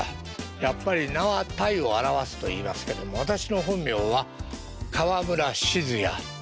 やっぱり「名は体を表す」と言いますけども私の本名は河村靜也。